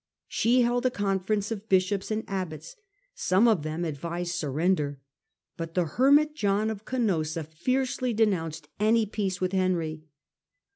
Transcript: She held a council of bishops and abbots ; some of them advised surrender, but the hermit John of Canossa fiercely denounced any peace with Henry.